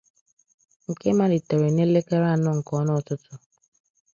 nke malitere n'elekere anọ nke ọnụ ụtụtụ